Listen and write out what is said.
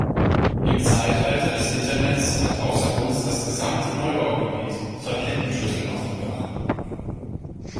Im Zeitalter des Internets hat außer uns das gesamte Neubaugebiet Satellitenschüsseln auf dem Dach.